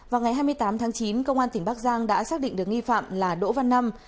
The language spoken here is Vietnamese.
vào ngày hai mươi tám tháng chín công an tỉnh bắc giang đã xác định được nghi phạm là đỗ văn năm